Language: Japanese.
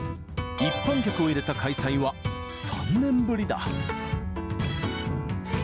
一般客を入れた開催は３年ぶりだ。